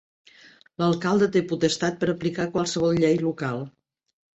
L'alcalde té potestat per aplicar qualsevol llei local.